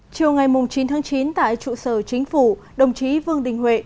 chiều ngày chín tháng chín tại trụ sở chính phủ đồng chí vương đình huệ